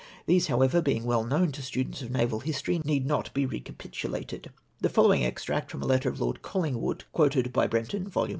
These, however, being "well known to students of naval history, need not be recapitulated. The fol lowing extract from a letter of Lord Colhngwood, quoted by Brenton, vol. i.